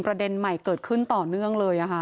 ประเด็นใหม่เกิดขึ้นต่อเนื่องเลย